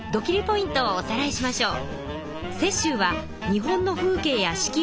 ポイントをおさらいしましょう。